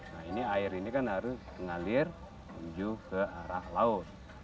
nah ini air ini kan harus mengalir menuju ke arah laut